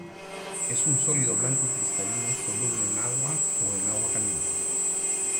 Es un sólido blanco y cristalino soluble en agua o en agua caliente.